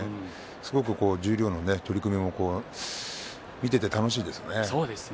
すごく十両の取組も見ていて楽しいですね。